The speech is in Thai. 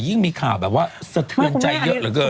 ยิ่งมีข่าวแบบว่าสะเทือนใจเยอะเหลือเกิน